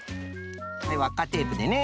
わっかテープでね。